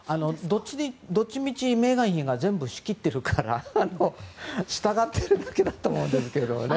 どちみちメーガン妃がうまく仕切ってるから従っているだけだと思うんですけどね。